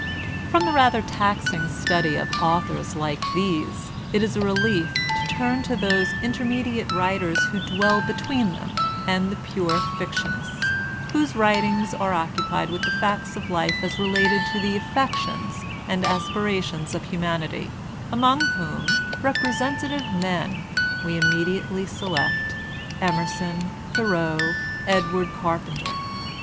From the rather taxing study of authors like these, it is a relief to turn to those intermediate writers who dwell between them and the pure fictionists, whose writ ings are occupied with the facts of life as related to the affections and aspirations of humanity, among whom, "representative men,'' we immediately select Emerson, Thoreau, Edward Carpenter.